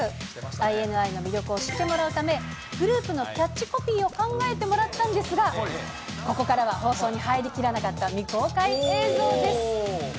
ＩＮＩの魅力を知ってもらうため、グループのキャッチコピーを考えてもらったんですが、ここからは、放送に入りきらなかった未公開映像です。